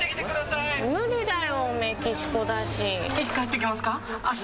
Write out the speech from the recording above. いつ帰ってきますか？